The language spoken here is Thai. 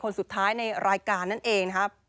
คนสุดท้ายในรายการนั่นเองนะครับ